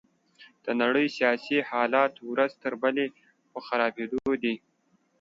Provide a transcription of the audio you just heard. د نړۍ سياسي حالات ورځ تر بلې په خرابيدو دي.